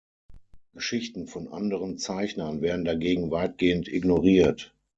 Geschichten von anderen Zeichnern werden dagegen weitgehend ignoriert.